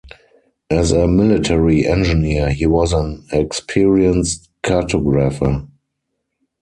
As a military engineer, he was an experienced cartographer.